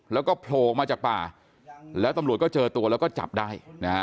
แล้วก็โผล่ออกมาจากป่าแล้วตำรวจก็เจอตัวแล้วก็จับได้นะฮะ